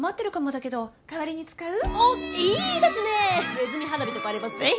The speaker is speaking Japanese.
ねずみ花火とかあればぜひ！